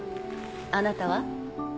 あなたは？